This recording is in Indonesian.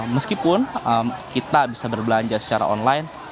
meskipun kita bisa berbelanja secara online